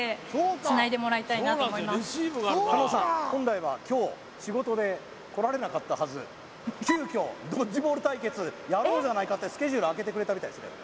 本来ははず急きょドッジボール対決やろうじゃないかってスケジュール空けてくれたみたいですね